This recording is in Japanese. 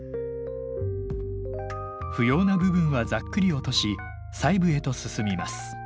不要な部分はざっくり落とし細部へと進みます。